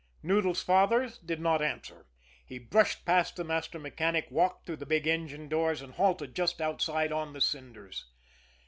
Noodles' father did not answer. He brushed past the master mechanic, walked through the big engine doors, and halted just outside on the cinders.